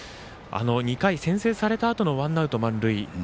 ２回、先制されたあとのワンアウト、満塁。